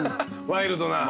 ワイルドな肉。